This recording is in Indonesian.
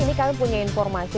ini kami punya informasi